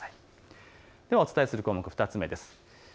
お伝えする項目、２つ目です。